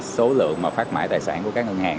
số lượng mà phát mãi tài sản của các ngân hàng